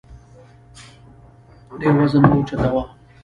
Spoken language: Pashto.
ډېر وزن مه اوچتوه